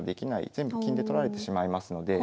全部金で取られてしまいますので。